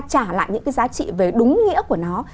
trả lại những cái giá trị về đúng nghĩa của nó